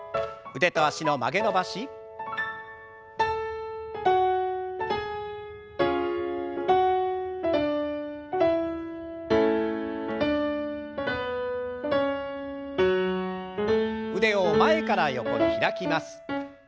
腕を前から横に開きます。